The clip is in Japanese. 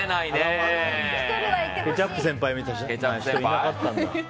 ケチャップ先輩みたいな人いなかったんだ。